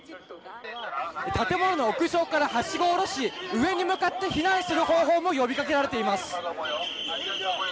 建物の屋上からはしごを下ろし上に向かって避難する方法も呼びかけられています。